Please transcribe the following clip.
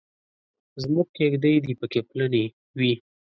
زموږ کېږدۍ دې پکې پلنې وي.